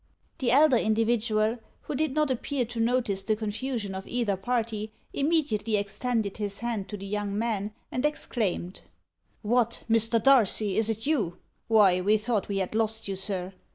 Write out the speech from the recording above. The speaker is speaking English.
The elder individual, who did not appear to notice the confusion of either party, immediately extended his hand to the young man, and exclaimed: "What! Mr. Darcy, is it you? Why, we thought we had lost you, sir!